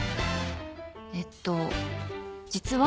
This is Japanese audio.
えっと実は先日。